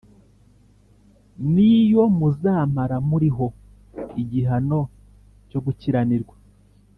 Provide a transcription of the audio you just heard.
Ni yo muzamara muriho igihano cyo gukiranirwa